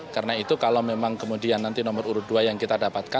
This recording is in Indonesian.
karena itu kalau memang kemudian nanti nomor urut dua yang kita dapatkan